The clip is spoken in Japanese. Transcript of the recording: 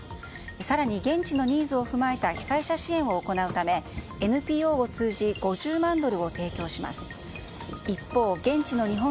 更に、現地のニーズを踏まえた被災者支援を行うためＮＰＯを通じ５０万ドルを提供します。